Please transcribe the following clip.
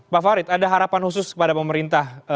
pak farid ada harapan khusus kepada pemerintah